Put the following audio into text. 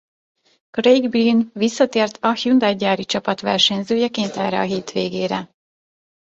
Craig Breen visszatért a Hyundai gyári csapat versenyzőjeként erre a hétvégére.